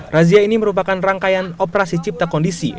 razia ini merupakan rangkaian operasi cipta kondisi